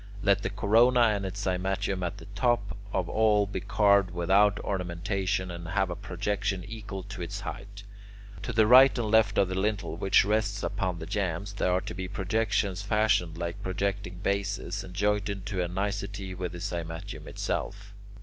Let the corona and its cymatium at the top of all be carved without ornamentation, and have a projection equal to its height. To the right and left of the lintel, which rests upon the jambs, there are to be projections fashioned like projecting bases and jointed to a nicety with the cymatium itself.